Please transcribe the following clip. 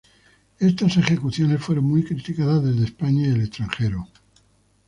Estas ejecuciones fueron muy criticados desde España y el extranjero.